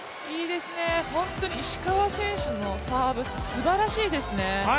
本当に石川選手のサーブ、すばらしいですね。